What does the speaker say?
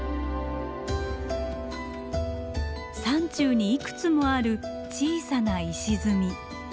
山中にいくつもある小さな石積み。